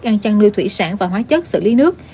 ăn chăn nuôi thủy sản và hóa chất xử lý nước